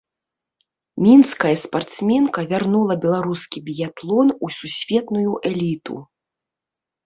Мінская спартсменка вярнула беларускі біятлон у сусветную эліту.